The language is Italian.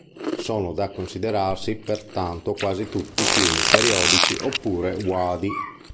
Sono da considerarsi pertanto quasi tutti fiumi periodici oppure uadi.